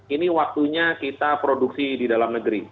ini waktunya kita produksi di dalam negeri